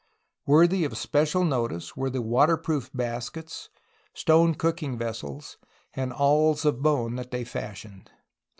Worthy of special notice were the waterproof baskets, stone cooking vessels, and awls of bone that they fashioned.